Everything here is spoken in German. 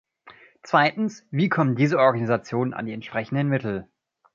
Zweitens, wie kommen diese Organisationen an die entsprechenden Mittel?